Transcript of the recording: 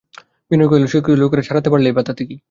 বিনয় কহিল, শিক্ষিত লোকেরা ছাড়াতে পারলেই বা তাতে কী!